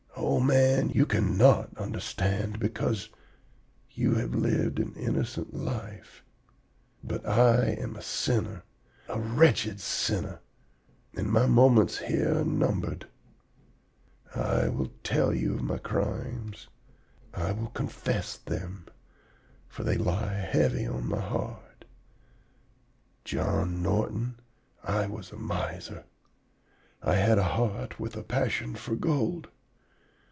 Old man, you cannot understand, because you have lived an innocent life, but I am a sinner a wretched sinner. And my moments here are numbered. I will tell you of my crimes; I will confess them, for they lie heavy on my heart. "'John Norton, I was a miser; I had a heart with a passion for gold.